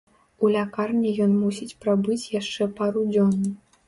У лякарні ён мусіць прабыць яшчэ пару дзён.